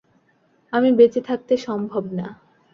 আমি বেঁচে থাকতে সম্ভব না।